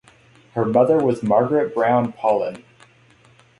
Her mother was Margaret Brown Paulin.